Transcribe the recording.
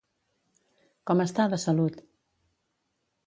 Com està de salut?